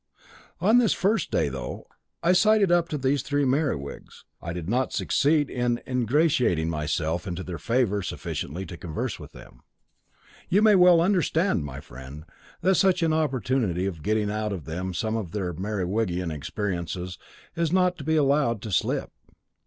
"On this, the first day, though I sidled up to these three Merewigs, I did not succeed in ingratiating myself into their favour sufficiently to converse with them. You may well understand, my friend, that such an opportunity of getting out of them some of their Merewigian experiences was not to be allowed to slip.